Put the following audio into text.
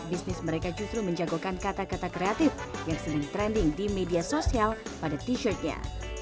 bisnis mereka justru menjagokan kata kata kreatif yang sering trending di media sosial pada t shirtnya